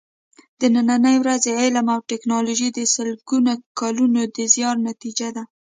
د نننۍ ورځې علم او ټېکنالوجي د سلګونو کالونو د زیار نتیجه ده.